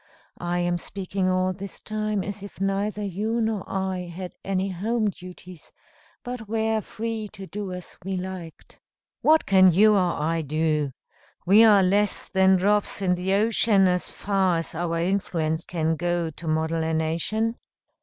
I am speaking all this time as if neither you nor I had any home duties, but were free to do as we liked." "What can you or I do? We are less than drops in the ocean, as far as our influence can go to model a nation?"